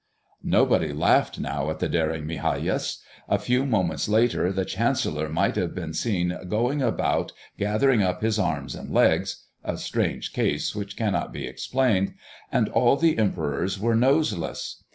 Nobody laughed now at the daring Migajas. A few moments later the chancellor might have been seen going about gathering up his arms and legs (a strange case which cannot be explained), and all the emperors were noseless.